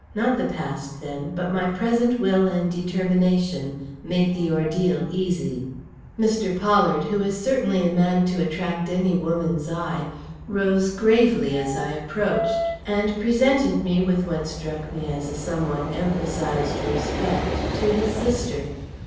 Not the past, then, but my present will and determination made the ordeal easy. Mr. Pollard, who is certainly a man to attract any woman's eye, rose gravely as I approached, and presented me with what struck me as a somewhat emphasized respect, to his sister.